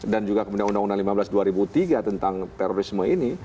dan juga kemudian undang undang lima belas dua ribu tiga tentang terorisme ini